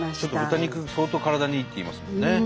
豚肉相当体にいいっていいますもんね。